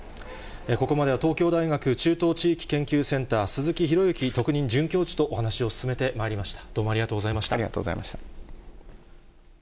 ここまでは、東京大学中東地域研究センター、鈴木啓之特任准教授とお話を進めてまいりました。